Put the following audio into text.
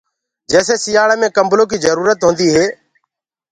جيسي سيآݪآ مي ڪمبلو ڪيٚ جرورت هونديٚ هي